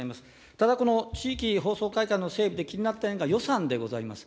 ただ、この地域放送会館の整備で気になった点が予算でございます。